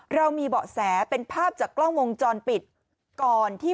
เรามีเบาะแสเป็นภาพจากกล้องวงจรปิดก่อนที่